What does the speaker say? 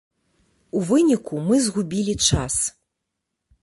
У выніку мы згубілі час.